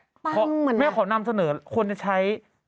ปั้งว่านะครับเพราะแม่ขอนำเสนอควรจะใช้